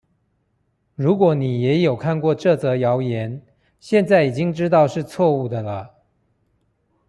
如果你也有看過這則謠言，現在已經知道是錯誤的了